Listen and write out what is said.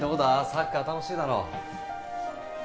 サッカー楽しいだろ